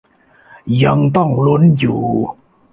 ยังต้องลุ้นอยู่